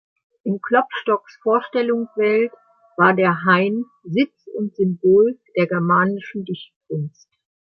In Klopstocks Vorstellungswelt war der Hain Sitz und Symbol der germanischen Dichtkunst.